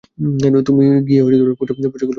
তুমি গিয়ে পশু গুলো গৃহে নিয়ে আস।